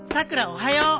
おはよう。